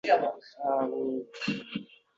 Mana mening pasportim.